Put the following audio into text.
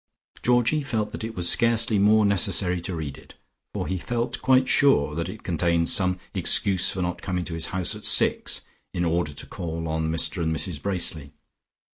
Georgie felt that it was scarcely more necessary to read it, for he felt quite sure that it contained some excuse for not coming to his house at six in order to call on Mr and Mrs Bracely.